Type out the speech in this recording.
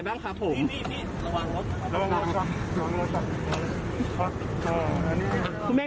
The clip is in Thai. ขอโทษนะครับขอโทษขอโทษขอโทษครับ